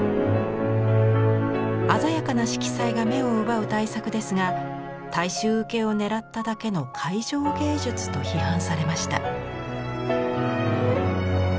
鮮やかな色彩が目を奪う大作ですが大衆受けを狙っただけの「会場芸術」と批判されました。